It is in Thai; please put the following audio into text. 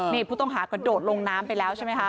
นี่ผู้ต้องหากระโดดลงน้ำไปแล้วใช่ไหมคะ